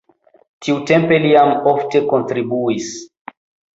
Tiutempe li jam ofte kontribuis.